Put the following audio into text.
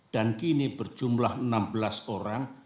dan kini berjumlah enam belas orang